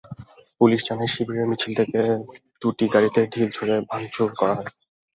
Police জানায়, শিবিরের মিছিল থেকে দুটি গাড়িতে ঢিল ছুড়ে ভাঙচুর করা হয়।